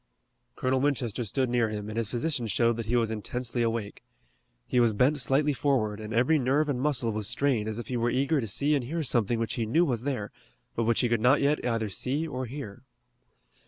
Colonel Winchester stood near him and his position showed that he was intensely awake. He was bent slightly forward, and every nerve and muscle was strained as if he were eager to see and hear something which he knew was there, but which he could not yet either see or hear.